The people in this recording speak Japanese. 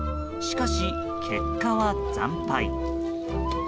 しかし、結果は惨敗。